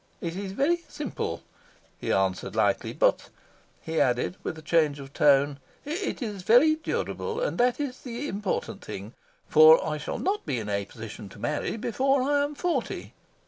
"It is very simple," he answered lightly. "But," he added, with a change of tone, "it is very durable. And that is the important thing. For I shall not be in a position to marry before I am forty."